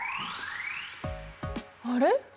あれ？